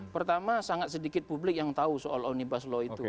pertama sangat sedikit publik yang tahu soal omnibus law itu